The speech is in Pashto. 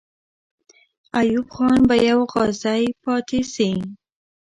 ایوب خان به یو غازی پاتې سي.